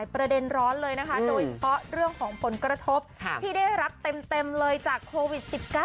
ประเด็นร้อนเลยนะคะโดยเฉพาะเรื่องของผลกระทบที่ได้รับเต็มเลยจากโควิด๑๙